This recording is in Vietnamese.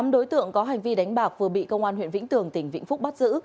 tám đối tượng có hành vi đánh bạc vừa bị công an huyện vĩnh tường tỉnh vĩnh phúc bắt giữ